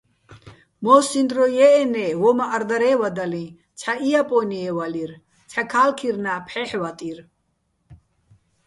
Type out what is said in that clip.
მო́სსიჼ დრო ჲე́ჸენე́, ვო́მაჸ არ-დარე́ვადალიჼ: ცჰ̦ა იაპონიე ვალირ, ცჰ̦ა ქალქირნა ფჰ̦ეჰ̦ ვატირ.